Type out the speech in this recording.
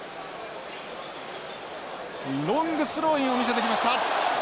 ロングスローインを見せてきました。